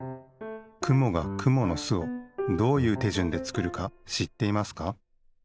くもがくものすをどういうてじゅんでつくるかしっていますか？